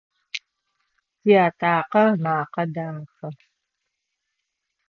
Tiatakhe ımakhe daxe.